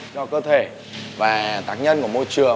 cho cơ thể và tác nhân của môi trường